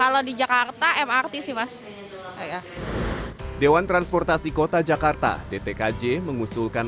kalau di jakarta mrt sih mas dewan transportasi kota jakarta dtkj mengusulkan